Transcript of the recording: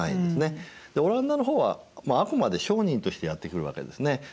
でオランダの方はあくまで商人としてやって来るわけですね。